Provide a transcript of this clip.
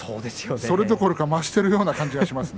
それどころか増しているような感じがします。